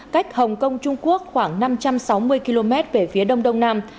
cách hồng kông trung quốc khoảng năm trăm sáu mươi km về phía đông đông nam